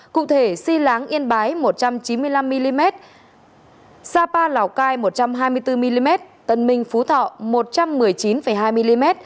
cụ thể si láng yên bái một trăm chín mươi năm mm sapa lào cai một trăm hai mươi bốn mm tân minh phú thọ một trăm một mươi chín hai mm